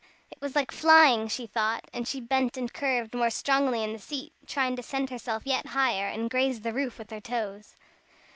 It was like flying, she thought, and she bent and curved more strongly in the seat, trying to send herself yet higher, and graze the roof with her toes.